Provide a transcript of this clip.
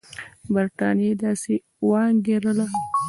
برټانیې داسې وانګېرله.